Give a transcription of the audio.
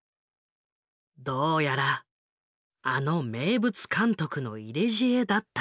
どうやらあの名物監督の入れ知恵だったらしい。